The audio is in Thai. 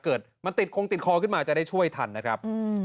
เกิดมันติดคงติดคอขึ้นมาจะได้ช่วยทันนะครับ